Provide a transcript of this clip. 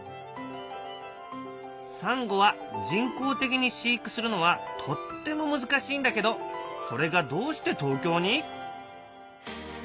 サンゴは人工的に飼育するのはとっても難しいんだけどそれがどうして東京に！？